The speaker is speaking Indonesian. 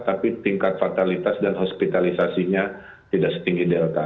tapi tingkat fatalitas dan hospitalisasinya tidak setinggi delta